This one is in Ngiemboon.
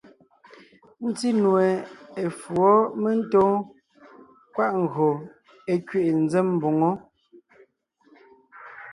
Ńtí nue, efǔɔ mentóon kwaʼ ńgÿo é kẅiʼi ńzém mboŋó.